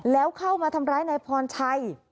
แล้วเข้ามาทำร้ายนายพรชัย